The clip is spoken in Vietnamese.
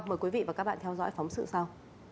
mời quý vị và các bạn theo dõi phóng sự sau